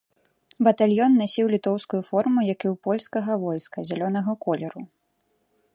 Батальён насіў літоўскую форму, як і ў польскага войска, зялёнага колеру.